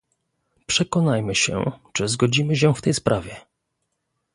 Przekonajmy się, czy zgodzimy się w tej sprawie